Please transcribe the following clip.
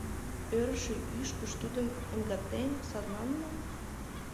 — Орышо ӱшкыж тудым эмгатен, садлан мо?